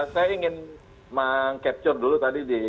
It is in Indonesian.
saya ingin meng capture dulu tadi di